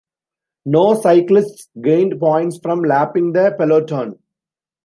No cyclists gained points from lapping the peloton.